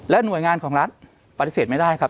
หน่วยงานของรัฐปฏิเสธไม่ได้ครับ